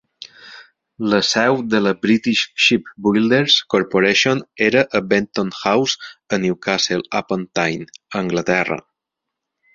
La seu de la British Shipbuilders Corporation era a Benton House a Newcastle upon Tyne, Anglaterra.